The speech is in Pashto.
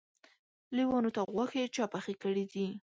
لېوانو ته غوښې چا پخې کړي دي؟